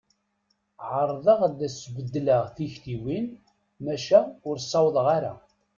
Ɛerḍeɣ ad s-beddleɣ tiktiwin, maca ur ssawḍeɣ ara.